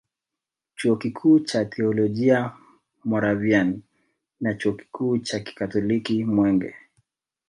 Chuo kikuu cha Teolojia Moravian na Chuo kikuu cha kikatoliki Mwenge